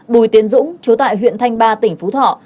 bùi tiến dũng chú tại huyện thanh ba tỉnh phú thọ